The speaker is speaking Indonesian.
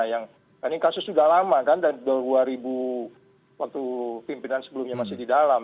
karena ini kasus sudah lama kan dua ribu waktu pimpinan sebelumnya masih di dalam